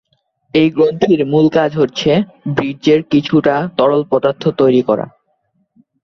এই গ্রন্থির মূল কাজ হচ্ছে বীর্যের জন্য কিছুটা তরল পদার্থ তৈরি করা।